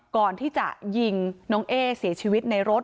ก่อนที่จะยิงน้องเอ๊เสียชีวิตในรถ